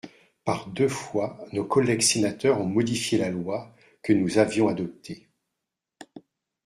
Par deux fois, nos collègues sénateurs ont modifié la loi que nous avions adoptée.